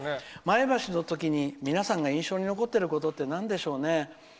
前橋のときに皆さんが印象に残ってることってなんでしょうね。